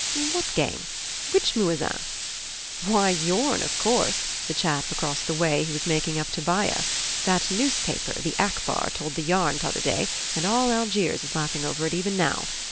"What game? Which muezzin?" "Why your'n, of course! The chap across the way who is making up to Baya. That newspaper, the Akbar, told the yarn t'other day, and all Algiers is laughing over it even now.